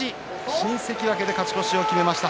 新関脇で勝ち越しを決めました。